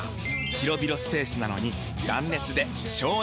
広々スペースなのに断熱で省エネ！